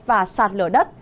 và sạt lở đất